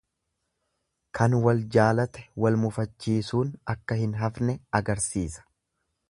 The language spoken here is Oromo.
Kan wal jaalate wal mufachiisuun akka hin hafne agarsiisa.